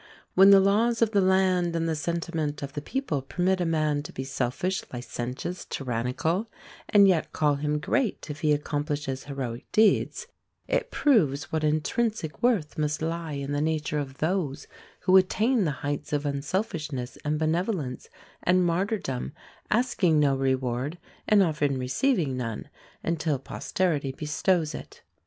When the laws of the land and the sentiment of the people permit a man to be selfish, licentious, tyrannical, and yet call him great if he accomplishes heroic deeds, it proves what intrinsic worth must lie in the nature of those who attain the heights of unselfishness and benevolence, and martyrdom, asking no reward and often receiving none until posterity bestows it.